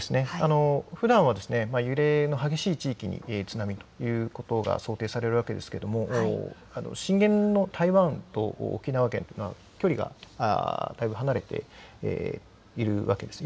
そうですね、ふだんは揺れの激しい地域に津波ということが想定されるわけですが、震源の台湾と沖縄県は距離がだいぶ離れているわけです。